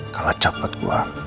kalah cepet gue